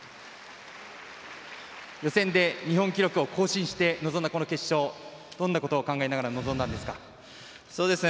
予選で日本記録を更新して臨んだこの決勝どんなことを考えながら臨んだんですか？